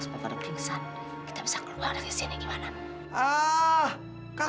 supaya pada pening saat kita bisa keluar dari sini gimana